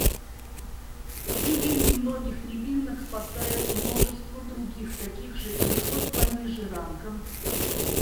Гибель немногих невинных спасает множество других таких же или хоть пониже рангом.